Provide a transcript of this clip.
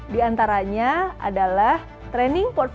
di antaranya adalah training portfo